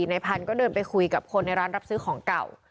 ในพันธุ์ก็เดินไปคุยกับคนในร้านรับซื้อของเก่า